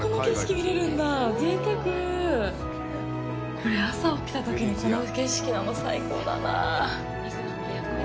これ朝起きたときにこの景色なの最高だなあ。